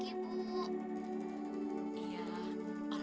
tapi kan kita udah nungguin dari pagi